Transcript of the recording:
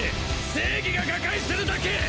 正義が瓦解するだけ！